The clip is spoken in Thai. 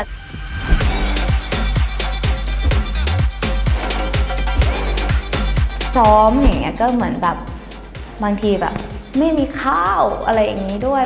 ซ้อมอย่างนี้ก็เหมือนแบบบางทีแบบไม่มีข้าวอะไรอย่างนี้ด้วย